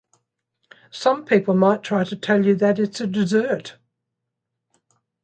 Some people might try to tell you that it's a dessert